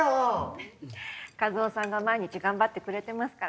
フフ一魚さんが毎日頑張ってくれてますから。